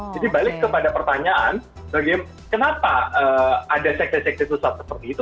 jadi balik kepada pertanyaan kenapa ada sekte sekte susah seperti itu